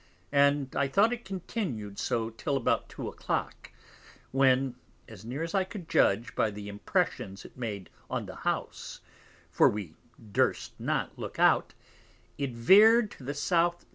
and I thought it continued so till about Two a Clock; when, as near as I could judge by the Impressions it made on the House, for we durst not look out, it veer'd to the S.S.